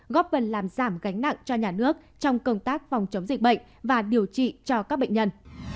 góp phần làm giảm gánh nặng cho nhà nước trong công tác phòng chống dịch bệnh và điều trị cho các bệnh nhân